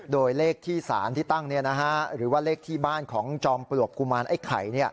โดยเลขที่สารที่ตั้งหรือว่าเลขที่บ้านของจอมปลวกกุมารไอ้ไข่